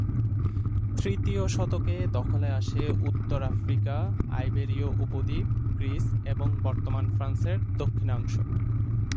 তৃতীয় শতকে দখলে আসে উত্তর আফ্রিকা, আইবেরীয় উপদ্বীপ, গ্রিস এবং বর্তমান ফ্রান্সের দক্ষিণাংশ।